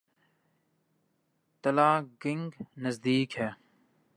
تلہ گنگ نزدیک ہے۔